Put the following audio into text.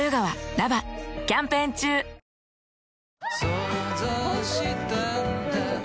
想像したんだ